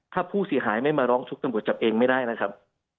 ถ้าผู้เสียหายไม่มาร้องทุกข์ตำรวจจับเองไม่ได้นะครับ